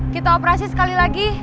kita operasi sekali lagi